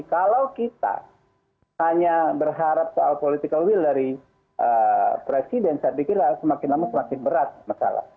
kalau kita hanya berharap soal political will dari presiden saya pikir semakin lama semakin berat masalah